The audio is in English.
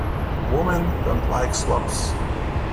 Women don't like slobs.